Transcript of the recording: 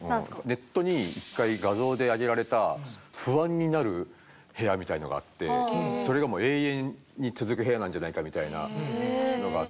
ネットに画像で上げられた不安になる部屋みたいのがあってそれが永遠に続く部屋なんじゃないかみたいなのがあって。